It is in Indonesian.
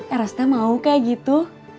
eros mau kayak gitu